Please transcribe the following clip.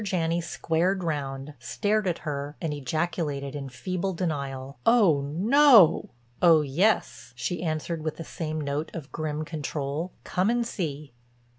Janney squared round, stared at her, and ejaculated in feeble denial: "Oh no!" "Oh yes," she answered with the same note of grim control, "Come and see."